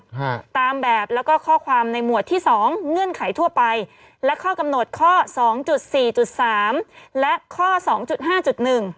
ฮะตามแบบแล้วก็ข้อความในหมวดที่สองเงื่อนไขทั่วไปและข้อกำหนดข้อสองจุดสี่จุดสามและข้อสองจุดห้าจุดหนึ่ง